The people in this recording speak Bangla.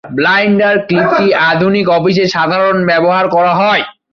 বাইন্ডার ক্লিপটি আধুনিক অফিসে সাধারণ ব্যবহার করা হয়।